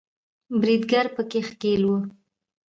بریدګر په کې ښکیل وو